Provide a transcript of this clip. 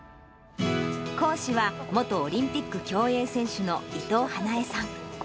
講師は、元オリンピック競泳選手の伊藤華英さん。